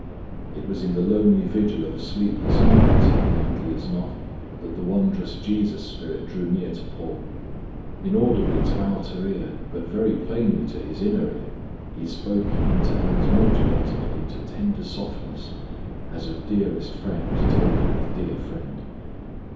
It was in the lonely vigil of a sleepless night, likely as not, that the wondrous Jesus Spirit drew near to Paul. Inaudibly to outer ear but very plainly to his inner ear, He spoke in tones modulated into tender softness as of dearest friend talking with dear friend.